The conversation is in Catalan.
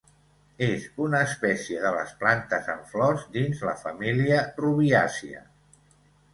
És una espècie de les plantes amb flors dins la família rubiàcia.